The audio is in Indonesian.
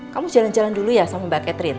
kamu jalan jalan dulu ya sama mbak catherine